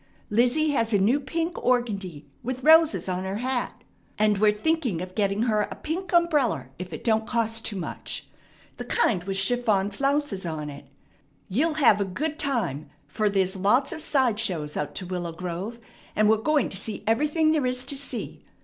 Lizzie has a new pink organdie, with roses on her hat; and we're thinking of getting her a pink umbreller if it don't cost too much. The kind with chiffon flounces on it. You'll have a good time, fer there's lots of side shows out to Willow Grove, and we're going to see everything there is to see.